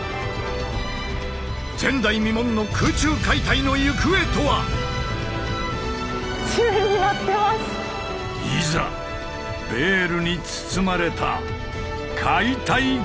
前代未聞の空中解体の行方とは⁉いざベールに包まれた解体現場の世界へ！